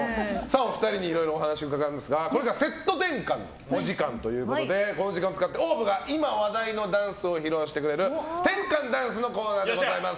お二人にいろいろお話伺うんですがこれからセット転換のお時間ということでこの時間を使ってＯＷＶが今話題のダンスを披露してくれる転換ダンスのコーナーです。